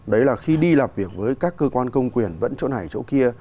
đấy là khi đi làm việc với các cơ quan công quyền vẫn chỗ này chỗ kia